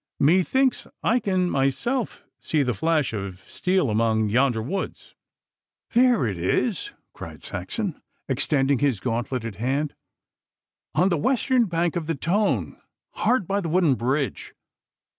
'Methinks I can myself see the flash of steel among yonder woods.' 'There it is,' cried Saxon, extending his gauntleted hand, 'on the western bank of the Tone, hard by the wooden bridge.